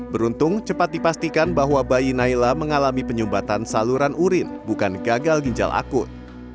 beruntung cepat dipastikan bahwa bayi naila mengalami penyumbatan saluran urin bukan gagal ginjal akut